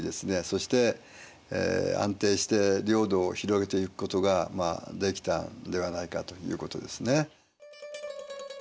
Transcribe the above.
そして安定して領土を広げていくことができたんではないかということですね。